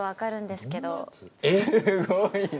すごいね。